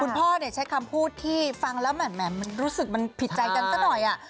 คุณพ่อใช้คำพูดที่ฟังแล้วมันรู้สึกผิดใจกันสักหน่อย